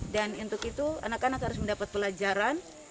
dan untuk itu anak anak harus mendapat pelajaran